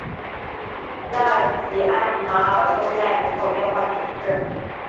拉尔吉艾马尔松奈人口变化图示